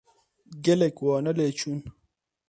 Gelek wane lê çûn.